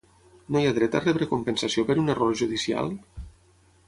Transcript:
No hi ha dret a rebre compensació per un error judicial?